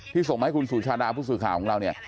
ส่งมาให้คุณสุชาดาผู้สื่อข่าวของเราเนี่ย